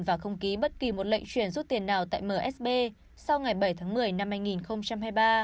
và không ký bất kỳ một lệnh chuyển rút tiền nào tại msb sau ngày bảy tháng một mươi năm hai nghìn hai mươi ba